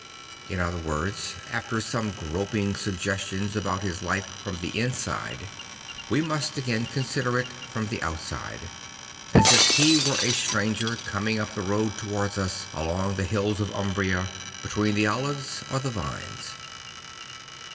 In other words, after some groping sugges tions about his life from the inside, we must again consider it from the outside; as if he were a stranger coming up the road towards us, along the hills of Umbria, between the olives or the Vlnes.